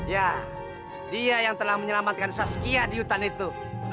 ya dia yang telah menyelamatkan saskia di hutan itu